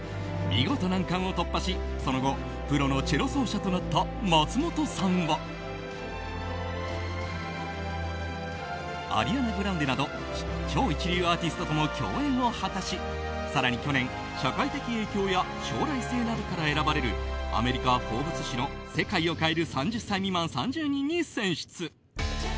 見事難関を突破しその後プロのチェロ奏者となった松本さんはアリアナ・グランデなど超一流アーティストとも共演を果たし更に去年、社会的影響や将来性などから選ばれるアメリカ「フォーブス」誌の世界を変える３０歳未満３０人に選出。